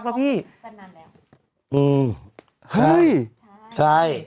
ขออีกทีอ่านอีกที